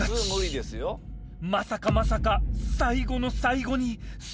まさかまさか最後の最後に。